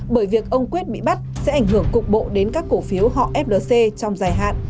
bởi việc ông quyết bị bắt sẽ ảnh hưởng cục bộ đến các cổ phiếu họ flc trong dài hạn